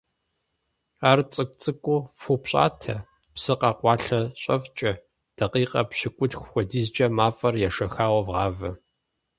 Ар цӀыкӀу-цӀыкӀуу фупщӀатэ, псы къэкъуалъэ щӀэфкӀэ, дакъикъэ пщыкӏутху хуэдизкӀэ мафӀэр ешэхауэ вгъавэ.